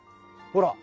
ほら！